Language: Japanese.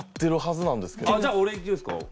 あっじゃあ俺いっていいですか？